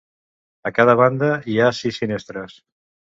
A cada banda hi ha sis finestres.